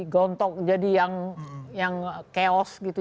gontok jadi yang chaos gitu